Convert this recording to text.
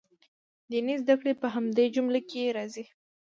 دیني زده کړې په همدې جمله کې راځي.